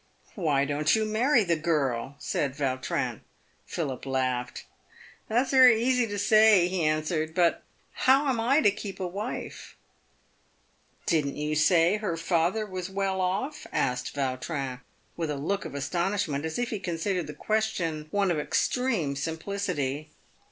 "Why don't you marry the girl?" said Vautrin. Philip laughed. "That's very easy to say," he answered; "but how am I to keep a wife ?"" Didn't you say her father was well off?" asked Vautrin, with a look of astonishment, as if he considered the question one of extreme simplicity.